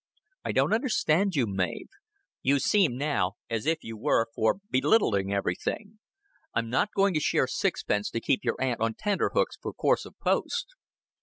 "I don't understand you, Mav. You seem now as if you were for belittling everything. I'm not going to spare sixpence to keep your aunt on tenterhooks for course of post."